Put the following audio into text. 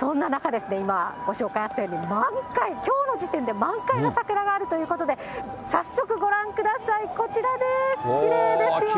そんな中、今、ご紹介あったように、満開、きょうの時点で満開の桜があるということで、早速ご覧ください、こちらです。